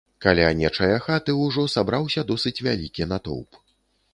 Каля нечае хаты ўжо сабраўся досыць вялікі натоўп.